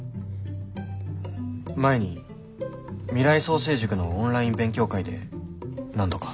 前に未来創成塾のオンライン勉強会で何度か。